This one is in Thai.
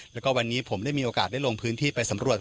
แล้วก็วันนี้ผมได้มีโอกาสได้ลงพื้นที่ไปสำรวจ